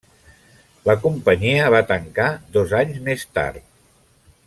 La companyia va tancar dos anys més tard.